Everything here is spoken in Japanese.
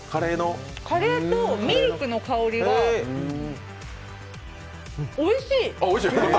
カレーとミルクの香りが、おいしい！